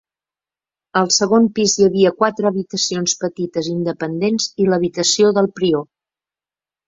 Al segon pis hi havia quatre habitacions petites independents i l'habitació del prior.